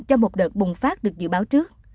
cho một đợt bùng phát được dự báo trước